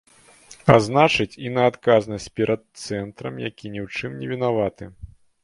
А значыць, і на адказнасць перад цэнтрам, які ні ў чым не вінаваты.